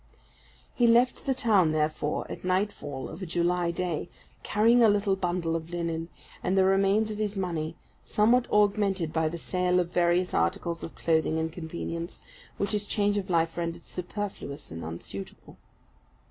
He left the town, therefore, at nightfall of a July day, carrying a little bundle of linen, and the remains of his money, somewhat augmented by the sale of various articles of clothing and convenience, which his change of life rendered superfluous and unsuitable.